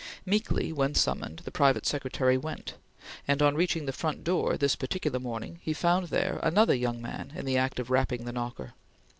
Meekly, when summoned, the private secretary went, and on reaching the front door, this particular morning, he found there another young man in the act of rapping the knocker.